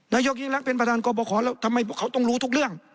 นายกยิ่งรักเป็นประธานกรบขอแล้วทำไมเขาต้องรู้ทุกเรื่อง